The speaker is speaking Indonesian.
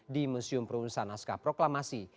di museum perumusan naskah proklamasi